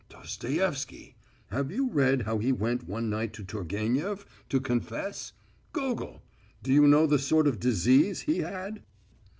"Dostoevsky ... have you read how he went one night to Turgenief to confess ... Gogol, do you know the sort of disease he had?"